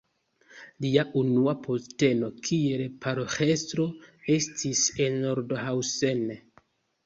Lia unua posteno kiel paroĥestro estis en Nordhausen.